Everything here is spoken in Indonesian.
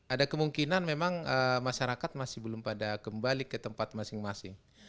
ada kemungkinan memang masyarakat masih belum pada kembali ke tempat masing masing